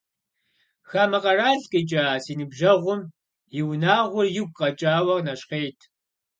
Хамэ къэрал къикӏа си ныбжьэгъум и унагъуэр игу къэкӏауэ нэщхъейт…